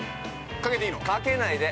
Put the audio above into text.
◆かけないで！